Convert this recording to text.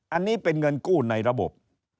อันนี้เป็นเงินกู้ในระบบ